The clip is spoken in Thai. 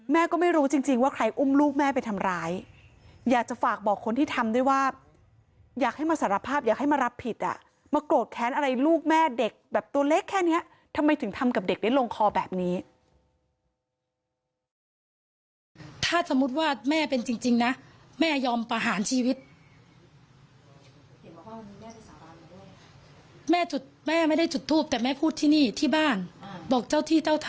ไม่รู้จริงว่าใครอุ้มลูกแม่ไปทำร้ายอยากจะฝากบอกคนที่ทำด้วยว่าอยากให้มาสารภาพอยากให้มารับผิดอ่ะมาโกรธแค้นอะไรลูกแม่เด็กแบบตัวเล็กแค่นี้ทำไมถึงทำกับเด็กได้ลงคอแบบนี้